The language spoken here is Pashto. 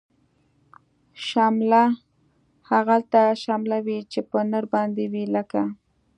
شمله هغلته شمله وی، چه په نرباندی وی لکه